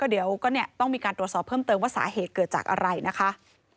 เดี๋ยวก็เนี่ยต้องมีการตรวจสอบเพิ่มเติมว่าสาเหตุเกิดจากอะไรนะคะ